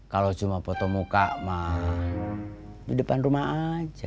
kalau cuma foto muka mah di depan rumah aja